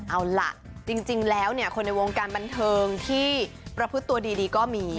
เอาล่ะจริงแล้วคนในวงการบันเทิงที่ประพฤติตัวดีก็มี